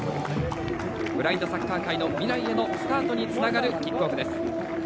ブラインドサッカー界の未来へのスタートにつながるキックオフです。